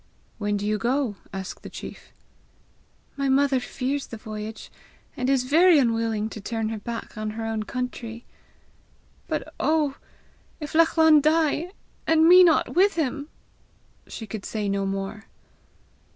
"When do you go?" asked the chief. "My mother fears the voyage, and is very unwilling to turn her back on her own country. But oh, if Lachlan die, and me not with him!" She could say no more.